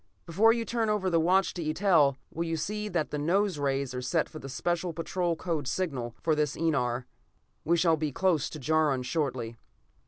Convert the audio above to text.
Before you turn over the watch to Eitel, will you see that the nose rays are set for the Special Patrol code signal for this enar. We shall be close to Jaron shortly."